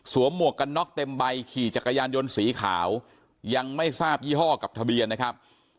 หมวกกันน็อกเต็มใบขี่จักรยานยนต์สีขาวยังไม่ทราบยี่ห้อกับทะเบียนนะครับ